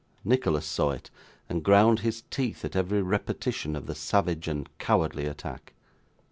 Nicholas saw it, and ground his teeth at every repetition of the savage and cowardly attack.